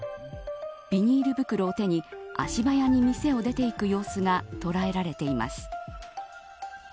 ビニール袋を手に足早に店を出ていく様子が捉えられています。